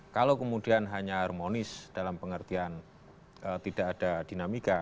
kalau kemudian hanya harmonis dalam pengertian tidak ada dinamika